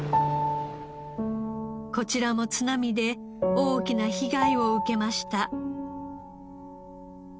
こちらも津波で大きな被害を受けました。